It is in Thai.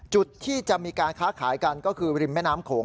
จุดที่จะมีการค้าขายกันก็คือริมแม่น้ำโขง